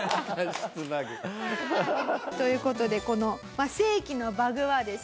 ハハハハ！という事でこの世紀のバグはですね